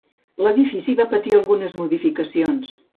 L'edifici va patir algunes modificacions.